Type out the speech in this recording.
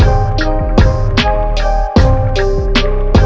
apa yang mau lo bicara